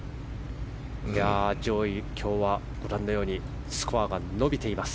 上位、今日はご覧のようにスコアが伸びています。